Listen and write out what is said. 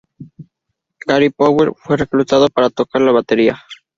Gary Powell fue reclutado para tocar la batería.